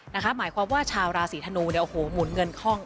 หมายความว่าชาวราศีธนูเนี่ยโอ้โหหมุนเงินคล่อง